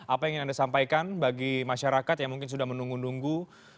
apa yang ingin anda sampaikan bagi masyarakat yang mungkin sudah menunggu nunggu